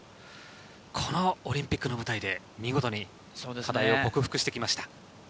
このオリンピックの舞台で見事に課題を克服してきました。